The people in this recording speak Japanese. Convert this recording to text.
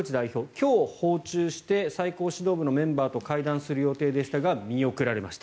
今日、訪中して最高指導部のメンバーと会談する予定でしたが見送られました。